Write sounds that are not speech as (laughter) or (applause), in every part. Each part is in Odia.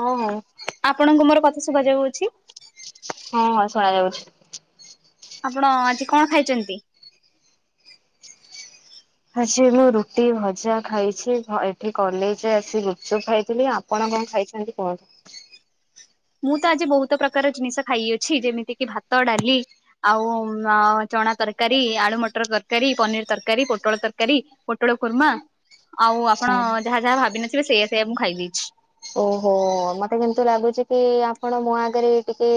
ହଁ ହୁଁ। ଆପଣଙ୍କୁ ମୋର କଥା ଶୁଭା ଯାଉଅଛି? ହଁ ହଁ ଶୁଣାଯାଉଛି। ଆପଣ ଆଜି କଣ ଖାଇଛନ୍ତି। ଆଜି ମୁଁ ରୁଟି ଭଜା ଖାଇଛି ଘ ଏଠି କଲେଜରେ ଆସି ଗୁପଚୁପ ଖାଇଥିଲି। ଆପଣ କଣ ଖାଇଛନ୍ତି କୁହନ୍ତୁ। ମୁଁ ତ ଆଜି ବହୁତ ପ୍ରକାର ଜିନିଷ ଖାଇଅଛି ଯେମିତି କିି ଭାତ ଡାଲି ଆଉ ଅଁ। ଚଣା ତରକାରୀ ଆଳୁ ମଟର ତରକାରୀ ପନିର ତରକାରୀ ପୋଟଳ ତରକାରୀ ପୋଟଳ କୁର୍ମା। ଆଉ ଆପଣ ଯାହା ଯାହା ଭାବିିନଥିବେ ସେଇଆ ସେଇଆ ମୁଁ ଖାଇ ଦେଇଛି। ଓହୋ ମତେ କିନ୍ତୁ ଲାଗୁଛି କି ଆପଣ ମୋ ଆଗରେ ଟିକେ।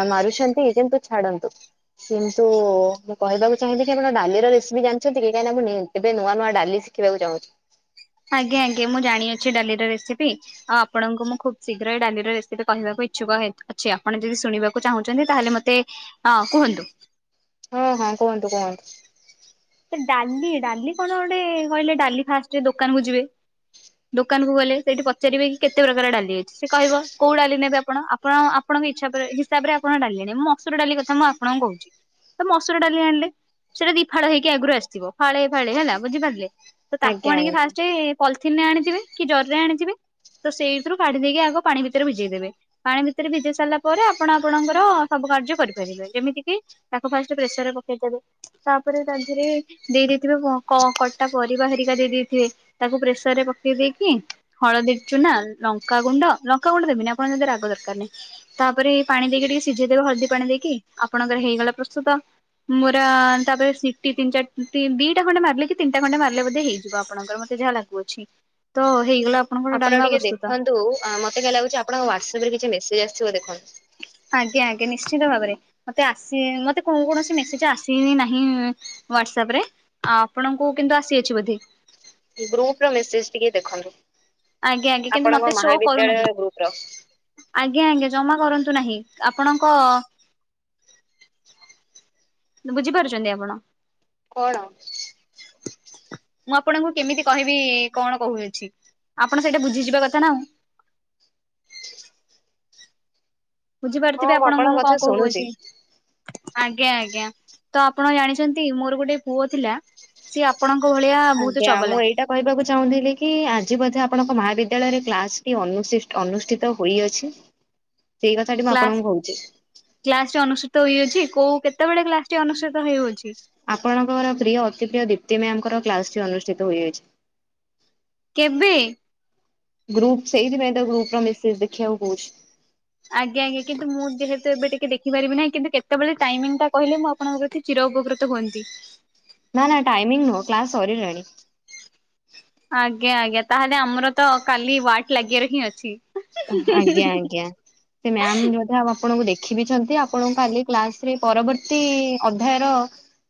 ଆ ମାରୁଛନ୍ତି କିନ୍ତୁ ଛାଡ଼ନ୍ତୁ। କିନ୍ତୁ ମୁଁ କହିବାକୁ ଚାହିଁବି କି ଆପଣ ଡାଲି ର ରେସିପି ଜାଣିଛନ୍ତି କି। କାଇଁ ନା ମୁଁ ଏବେ ନିଉ ଏବେ ନୂଆ ଡାଲି ଶଖିବାକୁ ଚାହୁଁଛି। ଆଜ୍ଞା ଆଜ୍ଞା ମୁଁ ଜାଣିଅଛି ଡାଲି ର ରେସିପି। ଆପଣଙ୍କୁଁ ଖୁବ ଶୀଘ୍ର ଏ ଡାଲି ର ରେସିପି କହିବାକୁ ଇଚଛକ ଅଛି ଆପଣ ଯଦି ଶୁଣିବା ଚାହୁଛନ୍ତି ତାହେଲେ ମତେ ଅ କୁହନ୍ତୁ। ହଁ ହଁ କୁହନ୍ତୁ କୁହନ୍ତୁ। ଡାଲି ଡାଲି କଣ ଗୋଟେ କହିଲେ ଡାଲି ଫାଷ୍ଟ ଦୋକାନ କୁ ଯିବେ। ଦୋକାନକୁ ଗଲେ ସେଇଠି ପଚାରିବେ କି କେତେ ପ୍ରକାର ଡାଲି ଅଛି ସେ କହିବ କୋଉ ଡାଲି ନେବେ ଆପଣ ଆପଣ ଆପଙ୍କ ଇଛା ହିସାବରେ ଆଣ ଡାେଲି ମୁଁ ମସୁର ଡାଲି କଥା ମୁ ଆପଣଙ୍କୁ କହୁଛି। ତ ମସୁର ଡାଲି ଆଣିଲେ ସେଟା ଦି ଫାଳ ହେଇକି ଆଗରୁ ଆସିଥିବ ଫାଳେ ଫାଳେ ହେଲା ବୁଝିପାରିଲେ ତ ତାକୁ ଆଜ୍ଞା ଆଣିକି ଆଜ୍ଞା। ଫାଷ୍ଟ ପଲିଥିିନ ରେ ଆଣିଯିବେ କି ଜରିରେ ଆଣିଥିବେ। ତ ସେଇଥିରୁ କାଢି ଦେଇକି ଆଗ ପାଣି ଭିତରେ ଭିଜେଇଦେବେ ପାଣି ଭିତରେ ଭିଜେଇ ସାରିଲା ପରେ ଆପଣ ଆପଣଙ୍କର ସବୁ କାର୍ଯ୍ୟ କରିପାରିବେ ଯେମିତି ତାକୁ ଫାଷ୍ଟ ପ୍ରେସର ରେ ପକେଇଦେବେ ତାପରେ ରେ ଦେଇେଇଥିବେ କଟା ପରିବା ହେରିକା ଦେଇେଇଥିବେ। ତାକୁ ପ୍ରେସର ରେ ପକେଇ ଦେଇେଇକି ହଳଦୀ ଚୁନା ଲଙ୍କାଗୁଣ୍ଡ ଲଙ୍କାଗୁଣ୍ଡ ଦେବିନ ନା ଆପଣଙ୍କ ଯଦି ରାଗ ଦରକାର ନାହିଁ। ତାପରେ ପାଣି ଦେଇକି ଟିକେ ସିଝେଇଦବ ହଳଦୀ ପାଣି ଦେଇକି ଆପଣଙ୍କର ହେଇଗଲା ପ୍ରସ୍ତୁତ। ମୋର ତାପରେ ଶ ଦି ତିି ଚାର ଦିଟା ଖଣ୍ଡେ ମାରିଲେ ତିିଟା ଖଣ୍ଡେ ମିଲେ ମଧ୍ୟ ହେଇଯିବ ଆପଣଙ୍କ ମତେ ଯାହା ଲାଗୁ ଅଛି। ତ ହେଇଗଲା ଆପଣ ଟିକେ ଦେଖନ୍ତୁ ମତେ କଁ ଲାଗୁଛି ଆପଣଙ୍କ ହ୍ୱାଟସଆପ ରେ କିଛି ମେସେଜ୍ ଆସିଥିବ ଦେଖନ୍ତୁ। ଆଜ୍ଞା ଆଜ୍ଞା ନିଶ୍ଚିତ ଭାବରେ ମତେ ଆସି ମତେ କ କୌଣସି ମେସେଜ ଆସ ନାହିଁ ହଵାଟସପ ରେ ଆ ଆପଣଙ୍କୁ କିନ୍ତୁ ଆସିଅଛି ବୋଧେ। ଗ୍ରୁପ ର ମେସେଜ ଟିକେ ଦେଖନ୍ତୁ। ଆଜ୍ଞା ଆଜ୍ଞା କିନ୍ତୁ ଆପଣଙ୍କ ମତେ ଶୋ କରୁନାହିଁ। ମହାବିଦ୍ୟାଳୟ ଗ୍ରୁପ ର ଆଜ୍ଞା ଆଜ୍ଞା ଜମା କରନ୍ତୁ ନାହିଁ ଆପଣଙ୍କ ବୁଝିପାରୁଛନ୍ତି ଆପଣ। କଣ। ମୁଁ ଆପଣଙ୍କୁ କେମିତି କହିବି କଣ କହୁଅଛି ଆପଣ ସେଇଟା ବୁଝିଯିବା କଥା ନା ଆଉ। ହଁ ବୁଝିପାରୁଥିବେ ଆପଣଙ୍କୁ ଆପଣଙ୍କ ମୁଁ କଥା କଣ ଶୁଣୁଛି। କହୁଅଛି। ଆଜ୍ଞା ଆଜ୍ଞା ତ ଆପଣ ଜାଣିଛନ୍ତି ମୋର ଗୋଟେ ପୁଅ ଥିଲା ସିଏ ଆପଣଙ୍କ ଭଳିଆ ବହୁତ ଆଜ୍ଞା ମୁଁ ଚଗଲା। ଏଇଟା କହିବାକୁ ଚାହୁଁଥିଲି କି ଆଜି ବ ଆପଣଙ୍କ ମହାବିଦ୍ୟାଳୟରେ କ୍ଲାସ ଟି ଅନୁଷ୍ଠିତ ହୋଇଅଛି। (unintelligible) ସେଇ କଥା ଟି ମୁଁ କ୍ଲାସ ଆପଣଙ୍କୁ କହୁଛି। କ୍ଲାସ ଟି ଅନୁଷ୍ଠିତ ହେଇଯାଉଛି କୋଉ କେତେବେଳେ କ୍ଲାସ ଟି ଅନୁଷ୍ଠିତ ହେଇଯାଉଛି। ଆପଣଙ୍କର ପ୍ରିୟ ଅତି ପ୍ରିୟ ଦୀପ୍ତି ମ୍ୟାର କ୍ଲାସଟି ଅନୁଷ୍ଠିତଯାଇଛି। କେବେ। ଗ୍ରୁପ ସେହିଛି ଗ୍ରୁପର ମିସେଜ ଦେଖାଇବାକୁ କହୁଛି। ଆଜ୍ଞା ଆ୍ା କିନ୍ତୁ ମୁଁ ଯେହେତୁ ଏବେ ଟିକେ ଦେଖିାରିବିହିଁ କିନ୍ତୁ କେେବେଳେ ଟାଇମ ଟା କହିଲେ ମୁଁ ଆପଣଙ୍କର ଏଠି ଚୀର ଉପକୃତ ହୁଅନ୍ତି। ନା ନା ଟାଇମିଙ୍ଗ ନ କ୍ଲାସ ସରିଲାନି। ଆଜ୍ଞା ଆଜ୍ଞା ତାହେଲେ ଆମର ତ କାଲି ୱାଟ ଲାଗିବାର ହିଁ ଅଛି। ଆଜ୍ଞା ଆଜ୍ଞା ସେ ମ୍ୟାାମ ଯ ଆଉ ଆପଣଙ୍କୁ ଦେଖ ଶିଖିବିଛନ୍ତି ଆପଣଙ୍କୁ କାଲି କ୍ଲାସରେ ପରବର୍ତ୍ତୀ ଅଧ୍ୟାୟର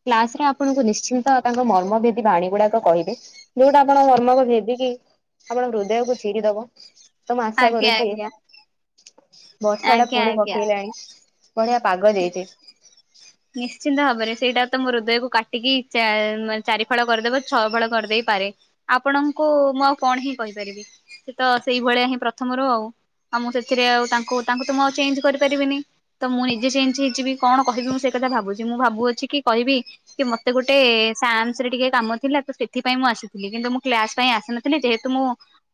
କ୍ଲାସ ରେ ଆପଣଙ୍କୁ ନିଶ୍ଚିନ୍ତ ତାଙ୍କ ମର୍ମଭେଦୀ ବାଣୀ ଗୁଡାକ କହିବେ। ଯୋଉଟା ଆପଣ କର୍ମକୁ ଯବିକି ଆପଣ ହୃଦୟକୁ ଛିରିଦବ। ତମ ଆସା ଆଜ୍ଞା କରୁଛ ଆଜ୍ଞା ବର୍ଷା ଟା ଆଜ୍ଞା ପୁଣି ଆଜ୍ଞା। ପକେଇଲାଣି ବଢିଆ ପାଗ ଦେଇଛି ନିଶ୍ଚିନ୍ତ ଭାବରେ ସେଇଟା ତ ମୋ ହୃଦୟକୁ କାଟିକିେ ଚାରି ଫଳ କରିଦେବ ଛଅ ଫଳ କରିଦେଇପାରେ ଆପଣଙ୍କୁ ମୁଁ ଆଉ କଣ ହିଁ କହିପାରିବି ସେ ତ ସେଇଭଳିଆ ହିଁ ପ୍ରଥମରୁ ଆଉ ଆଉ ମୁଁ ସେଥିରେ ଆଉ ତାଙ୍କୁ ତାଙ୍କୁ ତ ମୁ ଆଉ ଚେଞ୍ଜ କରିପାରିବିନି ତ ମୁଁ ନିଜେ ଚେଞ୍ଜ ହେଇଯିବି କଣ କହିବି ମୁଁ ସେ ଟା ଭାବୁଚି ମୁଁ ଭାବୁଅଛି କି କହିବି କି ମତେ ଗୋଟେ ସାନ୍ସ ରେ ଟିକେ କାମ ଥିଲା ତ ସେଥିପାଇଁ ମୁଁ ଆସିଥିଲି କିନ୍ତୁ ମୁଁ କ୍ଲାସ ପାଇଁ ଆସିନଥିଲି। ଯେହେତୁ ମୁଁ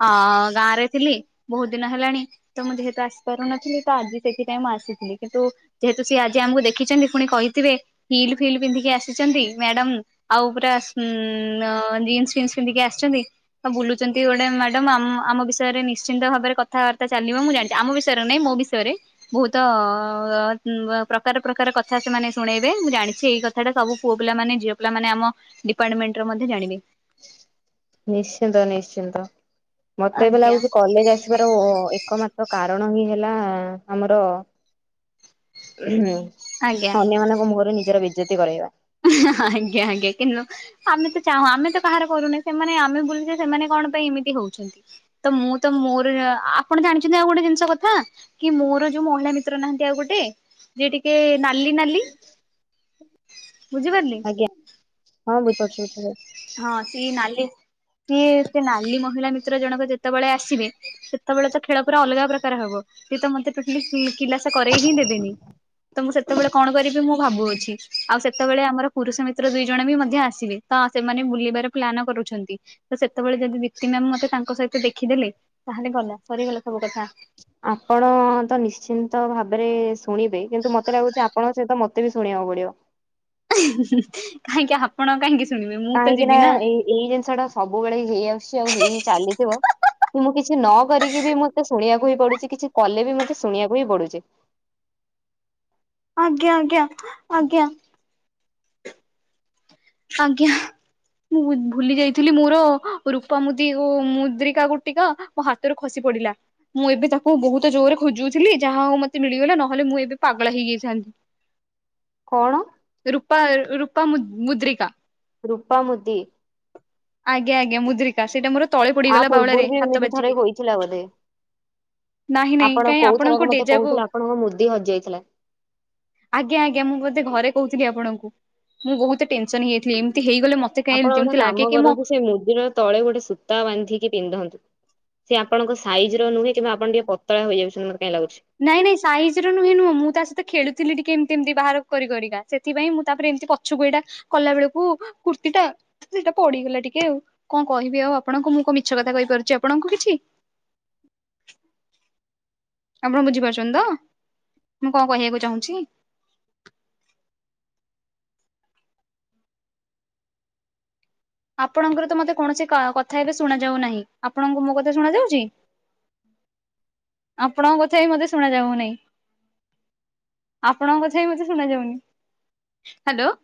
ହଁ ଗାଁରେ ଥିଲି ବୋହୁତ ଦିନ ହେଲାଣି। ତ ମୁଁ ଯେହେତୁ ଆସିପାରୁନଥିଲି ତ ଆଜି ସେଥି ପାଇଁ ଆସିଥିଲି କିନ୍ତୁ ଯେହେତୁ ସିଏ ଆଜି ଆମକୁ ଦେଖିଚନ୍ତି ପୁଣି କହିଥିବେ ହିଲ ଫିଲ ପିନ୍ଧିକି ଆସିଚନ୍ତି ମ୍ୟାଡାମ୍। ଆଉ ପୁରା ଜିନ୍ସ ଫିନ୍ସ ପିନ୍ଧିକି ଆସିଚନ୍ତି। ହୋଉ ବୁଲୁଚନ୍ତି ଗୋଟେ ମ୍ୟାଡାମ୍ ଆମ ବିଷୟରେ ନିଶ୍ଚିନ୍ତ ଭାବରେ କଥାବାର୍ତ୍ତା ଚାଲିବ। ମୁଁ ଜାଣି ଆମ ବିଷୟରେ ନାଇଁ ମୋ ବିଷୟରେ ବୋହୁତ ପ୍ରକାର ପ୍ରକାର କ ଥା ସେମାନେ ଶୁଣେଇବେ। ମୁଁ ଜାଣିଚି ଏଇ କଥାଟା ସବୁ ପୁଅ ପିଲା ମାନେ ଝିଅ ପିଲାମାନେ ଆମ ଡିପାର୍ଟମେଣ୍ଟର ମଧ୍ୟ ଜାଣିବି। ନିଶ୍ଚିନ୍ତ ନିଶ୍ଚିନ୍ତ ମତେ ଏବେ ଆଜ୍ଞା ଲାଗୁଚି କଲେଜ ଆସି ବାର ଏକମାତ୍ର କାରଣ ହିଁ ହେଲା। ଆମର ହୁଁ ଆଜ୍ଞା। ଅନ୍ୟମାନଙ୍କ ମୁହଁରେ ନିଜର ବେଜତି କରେଇବା। ଆଜ୍ଞା ଆଞା କିନ୍ତୁ ଆମେ ତ ଚାହୁଁ ଆମେ ତ କାହାର କରୁନ ସେମାନେ ଆମେ ବୁଲୁଚେ ସେମାନେ କଣ ପାଇଁ ଏମିତି ହୋଉଛନ୍ତି। ତ ମୁଁ ତ ମୋର ଆପଣ ଜାଣିଚନ୍ତି ଆଉ ଗୋଟେ ଜିନିଷ କଥା କି ମୋର ଯୋଉ ମହିଳା ମିତ୍ର ନାହାନ୍ତି। ଆଉ ଗୋଟେ ଯିଏ ଟିକେ ନାଲି ନାଲି ବୁଝିପାରିଲି। ଆଜ୍ଞା ହଁ ବୁଝି ପାରୁଚି ଏଥର। ହଁ ସିଏ ନାଲି ସିଏ ସେ ନାଲି ମହିଳା ମିତ୍ର ଜଣକ ଯେତେବେଳେ ଆସିବେ। ସେତେବେଳେ ତ ଖେଳ ପୁରା ଅଲଗା ପ୍ରକାର ହବ। ସିଏ ତ ମତେ ଟୋଟାଲି କି-କିିଲାସ କରେଇ ହିଁ ଦେବେନି। ତ ମୁଁ ସେତେବେଳେ କଣ କରିବି। ମୁଁ ଭାବୁଅଛି ଆଉ ସେତେବେଳେ ଆମର ପୁରୁଷ ମିତ୍ର ଦୁଇ ଜଣ ବି ମଧ୍ୟ ଆସିବେ। ତ ସେମାନେ ବୁଲିବାର ପ୍ଲାନ କରୁଛନ୍ତି। ତ ସେତେବେଳେ ଯଦି ଦିଇ ତିନି ଜଣ ମତେ ତାଙ୍କ ସହିତ ଦେଖିଦେଲେ। ତାହେଲେ ଗଲା ସରିଗଲା ସବୁ କଥା। ଆପଣ ତ ନିଶ୍ଚିନ୍ତ ଭାବରେ ଶୁଣିବେ। କିନ୍ତୁ ମତେ ଲାଗୁଚି ଆପଣଙ୍କ ସହିତ ମ ତେ ବି ଶୁଣିବାକୁ ପଡିବ। କାହିଁକି ଆପଣ କାହିଁକି ଶୁଣିବେ ମୁଁ ତ କାହିଁକି ଯିବି ନା ଏଇ ଏଇ ଜିନିଷଟା ସବୁବେଳେ ହେଇ ଆସୁଚି ଆଉ ହେଇ ଚାଲିଥିବ। ମୁଁ କିଛି ନ କରିକି ବି ମତେ ଶୁଣିବାକୁ ହିଁ ପଡୁଚି। କିଛି କଲେ ବି ମତେ ଶୁଣିବାକୁ ହିଁ ପଡୁଚି। ଆଜ୍ଞା ଆଜ୍ଞା ଆଜ୍ଞା। ଆଜ୍ଞା। ମୁଁ ବୁ ଭୁଲି ଯାଇଥିଲି ମୋର ରୂପ ମୁଦି ଓ ମୁଦ୍ରିକା ଗୁଟିକା ମୋ ହାତରୁ ଖସି ପଡିଲା। ମୁଁ ଏବେ ତାକୁ ବୋହୁତ ଜୋରରେ ଖୋଜୁଥିଲି। ଯାହା ହୋଉ ମତେ ମିଳିଗଲା ନହେଲେ ମୁଁ ଏବେ ପାଗଳ ହେଇଯାଇଥାନ୍ତି। କଣ? ରୂପା ରୂପା ମୁ-ମୁଦ୍ରିକା। ରୂପା ମୁଦି। ଆଜ୍ଞା ଆଜ୍ଞା ମୁଦ୍ରି ସେଇଟା ମୋର ତଳେ ଆ ପଡିଗଲା ବାଉଳାରେ ପୂର୍ବରୁ ବି ହାତ ଏମିତି ଥରେ ବାଜିକି। ହୋଇଥିଲା ବୋଧେ। ନାହିଁ ନାହିଁ ଆପଣ କାଇଁ କୋଉ ଥରକ ଆପଣଙ୍କୁ ମତେ ଡେଜାକୁୁ କହୁଥିଲେ ଆପଣଙ୍କ ମୁଦି ହଜିଯାଇଥିଲା। ଆଜ୍ଞା ଆଜ୍ଞା ମୁଁ ବୋଧେ ଘରେ କୋହୁଥିଲି ଆପଣଙ୍କୁ। ମୁଁ ବୋହୁତ ଟେ ନସନ୍ ହେଇଯାଇଥିଲି ଏମିତି ହେଇଗଲେ ମ ଆପଣ ଗୋଟେ କାମ କରନ୍ତୁ। ସେ ମୁଦିରର ତଳେ ଗୋଟେ ସୂତା ବାନ୍ଧିକି ପିନ୍ଧନ୍ତୁ। ସେ ଆପଣଙ୍କ ସାଇଜିର ନୁହେଁ କିମ୍ବା ଆପଣ ଟିକେ ପତଳା ହୋଇଯାଉଚନ୍ତି ମତେ କାଇଁ ଲାଗୁଚି। ନାଇଁ ନାଇଁ ସାଇଜିର ନୁହେଁ ନୁହୁଁ ତା ସହିତ ଖେୁଳୁଥିଲି ଟିକେ ଏମତି ଏମିତି ବାହାର କରି କରିକା ସେଥିପାଇ ମୁଁ ତାପରେ ଏମତି ପ ଛକୁ ଏଇଟା କଲା ବେଳକୁ କୁର୍ତ୍ତିୀଟା ସେଇଟା ପଡିଗଲା ଟିକେ ଆଉ କଣ କହିବି ଆଉ ଆପଣଙ୍କୁ। ମୁଁ କଣ ମିଛ କଥା କହିପାରୁଚି ଆପଣଙ୍କୁ କିଛି। ଆପଣ ବୁଝିପାରୁଚନ୍ତି ତ। ମୁଁ କଣ କହିବାକୁ ଚାହୁଁଚି। ଆପଣଙ୍କର ତ ମତେ କୌଣସି କ କଥା ଏବେ ଶୁଣା ଯାଉ ନାହିଁ। ଆପଣଙ୍କୁ ମୋ କଥା ଶୁଣା ଯାଉଚି? ଆପଣଙ୍କ କଥା ବି ମତେ ଶୁଣା ଯାଉନାହିଁ। ଆପଣଙ୍କ କଥା ବି ମତେ ଶୁଣା ଯାଉନି। ହ୍ୟାଲୋ।